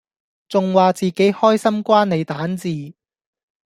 仲話自己開心關你蛋治